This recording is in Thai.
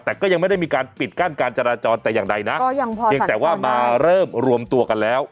แต่ก็ยังไม่ได้มีการปิดกั้นการจราจรแต่อย่างใดนะก็ยังพอเพียงแต่ว่ามาเริ่มรวมตัวกันแล้ว